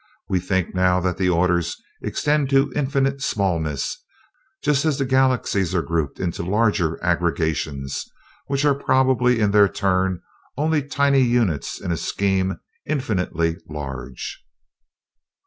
We think now that the orders extend to infinite smallness, just as the galaxies are grouped into larger aggregations, which are probably in their turn only tiny units in a scheme infinitely large.